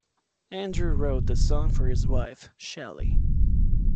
Andrew wrote the song for his wife, Shelly.